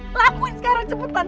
lakuin sekarang cepetan